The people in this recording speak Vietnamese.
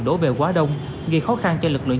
đổ về quá đông gây khó khăn cho lực lượng